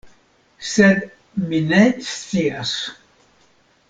Sed mi ne scias.